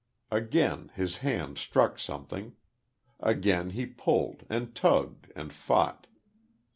Again his hand struck something. Again he pulled, and tugged, and fought.